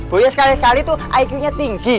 boya sekali kali tuh iq nya tinggi